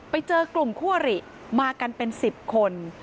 ไปเจอกลุ่มควริมากันเป็นสิบคน